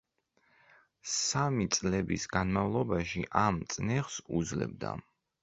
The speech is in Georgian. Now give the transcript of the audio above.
სამი წლების განმავლობაში ამ წნეხს უძლებდა.